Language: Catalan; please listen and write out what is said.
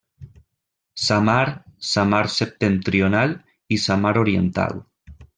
Samar, Samar Septentrional i Samar Oriental.